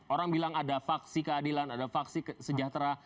orang bilang ada faksi keadilan ada faksi sejahtera